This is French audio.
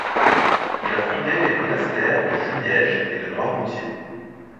Il a fondé les monastères de Jumièges et de Noirmoutier.